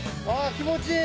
気持ちいい！